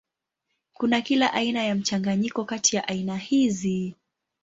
Kuna kila aina ya mchanganyiko kati ya aina hizi.